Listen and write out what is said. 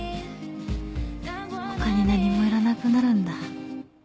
他に何もいらなくなるんだ。